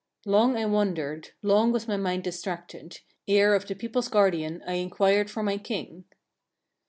6. Long I wandered, long was my mind distracted, ere of the people's guardian I inquired for my king.